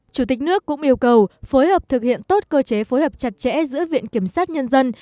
chủ tịch nước cũng yêu cầu phối hợp thực hiện tốt cơ chế phối hợp chặt chẽ giữa viện kiểm sát nhân dân